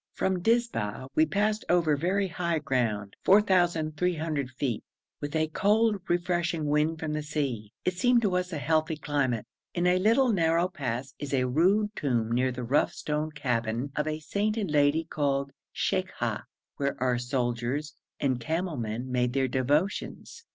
From Dizba we passed over very high ground, 4,300 feet, with a cold refreshing wind from the sea. It seemed to us a healthy climate. In a little narrow pass is a rude tomb near the rough stone cabin of a sainted lady called Sheikha, where our soldiers and camel men made their devotions.